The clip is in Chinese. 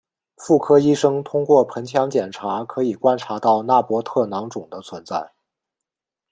妇科医生通过盆腔检查可以观察到纳博特囊肿的存在。